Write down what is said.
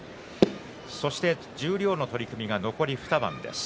そして十両の取組が残り２番です。